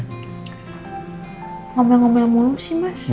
ngomel ngomel mulu sih mas